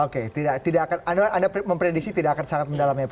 oke tidak akan anda memprediksi tidak akan sangat mendalam ya pak